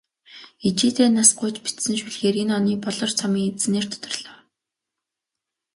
Ижийдээ нас гуйж бичсэн шүлгээр энэ оны "Болор цом"-ын эзнээр тодорлоо.